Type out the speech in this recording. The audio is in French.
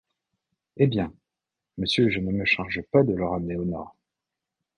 Eh bien ! monsieur, je ne me charge pas de le ramener au nord !…